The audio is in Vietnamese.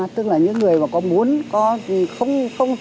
tức là những người mà có muốn